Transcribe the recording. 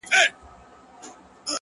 • داسي څانګه به له کومه څوک پیدا کړي,